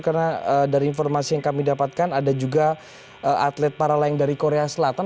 karena dari informasi yang kami dapatkan ada juga atlet para lain dari korea selatan